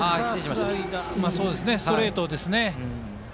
ストレートですね。